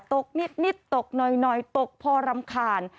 ตกนิดตกหน่อยตกพอรำคาญ